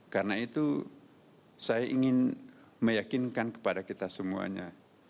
karena itu saya ingin meyakinkan kepada kita semuanya